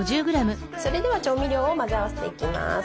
それでは調味料を混ぜ合わせていきます。